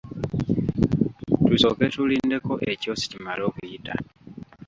Tusooke tulindeko ekyosi kimale okuyita.